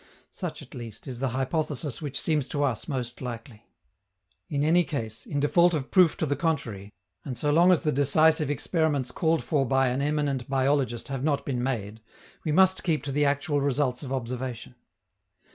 Such, at least, is the hypothesis which seems to us most likely. In any case, in default of proof to the contrary, and so long as the decisive experiments called for by an eminent biologist have not been made, we must keep to the actual results of observation.